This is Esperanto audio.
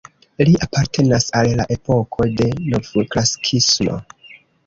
Li apartenas al la epoko de novklasikismo.